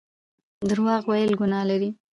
درواغ ويل ګناه لري